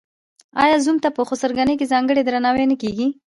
آیا زوم ته په خسرګنۍ کې ځانګړی درناوی نه کیږي؟